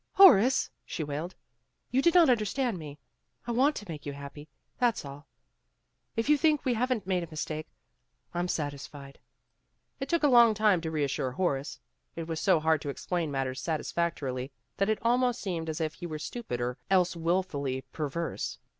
"Horace," she wailed, "you did not under stand me. I want to make you happy, that's all. If you think we haven't made a mistake, I'm satisfied." 212 PEGGY RAYMOND'S WAY It took a long time to reassure Horace. It was so hard to explain matters satisfactorily that it almost seemed as if he were stupid or else wilfully perverse.